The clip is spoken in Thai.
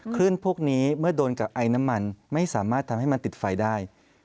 พวกนี้เมื่อโดนกับไอน้ำมันไม่สามารถทำให้มันติดไฟได้